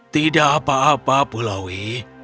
tidak apa apa pulaui